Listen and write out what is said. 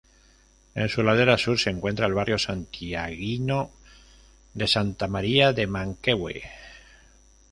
En su ladera sur se encuentra el barrio santiaguino de Santa María de Manquehue.